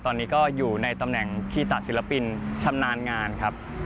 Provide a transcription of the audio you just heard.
ตอนนี้ก็อยู่ในตำแหน่งขี้ตะศิลปินชำนาญงานครับ